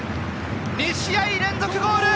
２試合連続ゴール！